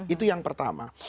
itu yang pertama